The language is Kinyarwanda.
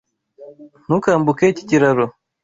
Ntukambuke iki kiraro.